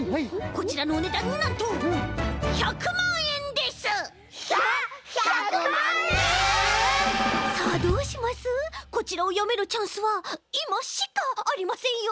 こちらをよめるチャンスはいましかありませんよ。